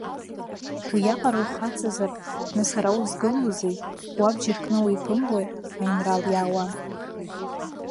Уиаҟара ухаҵазар, нас ара узгылоузеи, уабџьар кны уиԥымлои аинрал иаауа?